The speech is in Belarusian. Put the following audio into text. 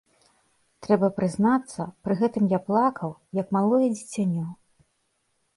Трэба прызнацца, пры гэтым я плакаў, як малое дзіцянё.